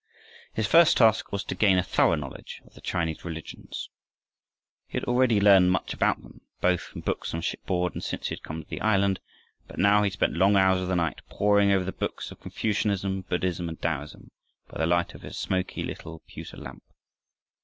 His first task was to gain a thorough knowledge of the Chinese religions. He had already learned much about them, both from books on shipboard and since he had come to the island. But now he spent long hours of the night, poring over the books of Confucianism, Buddhism, and Taoism, by the light of his smoky little pewter lamp.